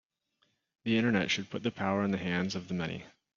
The Internet should put the power in the hands of the many